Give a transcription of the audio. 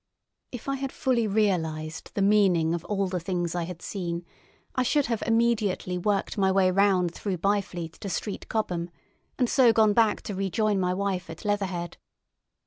If I had fully realised the meaning of all the things I had seen I should have immediately worked my way round through Byfleet to Street Cobham, and so gone back to rejoin my wife at Leatherhead.